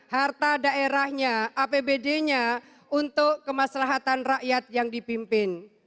harta daerahnya apbd nya untuk kemaslahatan rakyat yang dipimpin